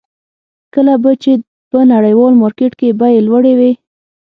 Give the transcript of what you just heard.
کله به چې په نړیوال مارکېټ کې بیې لوړې وې.